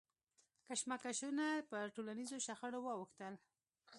کشمکشونه پر ټولنیزو شخړو واوښتل.